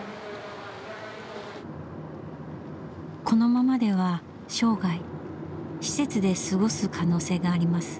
このままでは生涯施設で過ごす可能性があります。